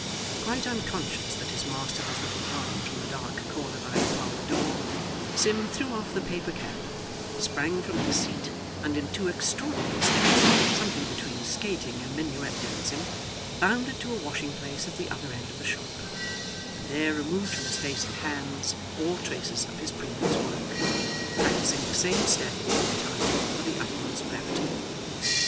Quite unconscious that his master was looking on from the dark corner by the parlour door, Sim threw off the paper cap, sprang from his seat, and in two extraordinary steps, something between skating and minuet dancing, bounded to a washing place at the other end of the shop, and there removed from his face and hands all traces of his previous work practising the same step all the time with the utmost gravity.